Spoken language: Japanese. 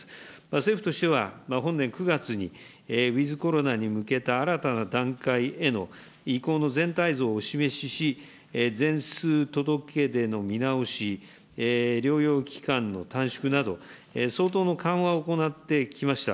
政府としては、本年９月に、ウィズコロナに向けた新たな段階への移行の全体像をお示しし、全数届け出の見直し、療養期間の短縮など、相当の緩和を行ってきました。